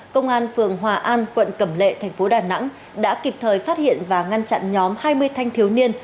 công an phường hòa an quận cẩm lệ thành phố đà nẵng đã kịp thời phát hiện và ngăn chặn nhóm hai mươi thanh thiếu niên